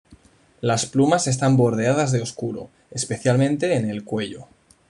Las plumas están bordeadas de oscuro, especialmente en el cuello.